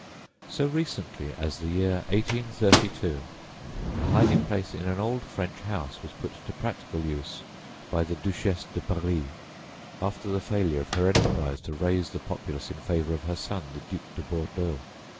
So recently as the year 1832 a hiding place in an old French house was put to practical use by the Duchesse de Berry after the failure of her enterprise to raise the populace in favour of her son the Duc de Bordeaux.